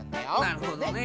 なるほどね。